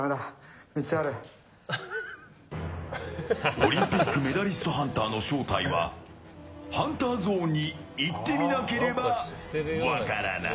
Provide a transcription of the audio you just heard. オリンピックメダリストハンターの正体はハンターゾーンに行ってみなければ分からない。